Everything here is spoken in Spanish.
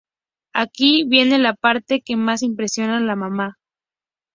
Aquí viene la parte que más impresiona de la mamá.